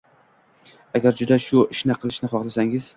Agar juda shu ishni qilishni xohlasangiz